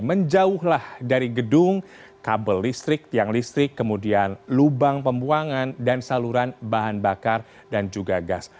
menjauhlah dari gedung kabel listrik tiang listrik kemudian lubang pembuangan dan saluran bahan bakar dan juga gas